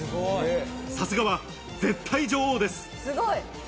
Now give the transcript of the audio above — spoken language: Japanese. さすがは絶対女王です。